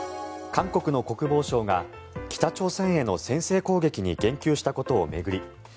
韓国の国防相が北朝鮮への先制攻撃に言及したことを巡り